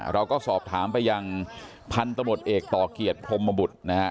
เราก็สอบถามไปยังพันธมตเอกต่อเกียรติพรมบุตรนะฮะ